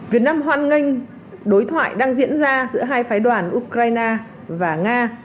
việt nam hoan nghênh đối thoại đang diễn ra giữa hai phái đoàn ukraine và nga